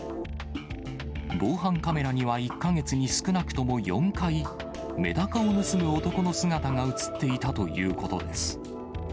防犯カメラには１か月に少なくとも４回、メダカを盗む男の姿が写っていたということです。